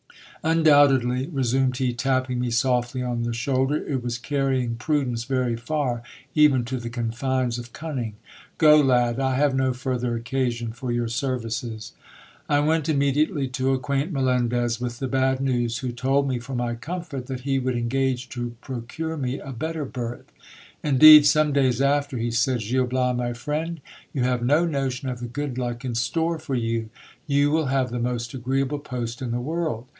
Undoubtedly, resumed he, tapping me softly on the shoulder, it was carrying prudence very far, even to the confines of cunning. Go, lad, I have no further occasion for your services. I went immediately to acquaint Melendez with the bad news, who told me, for my comfort, that he would engage to procure me a better berth. Indeed, some days after, he said — Gil Bias, my friend, you have no notion of the good luck in store for you. You will have the most agreeable post in the world.